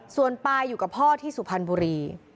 ส่วนปายอยู่กับพ่อที่สุพรรณบุรี